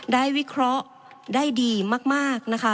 วิเคราะห์ได้ดีมากนะคะ